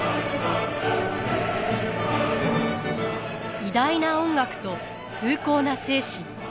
偉大な音楽と崇高な精神。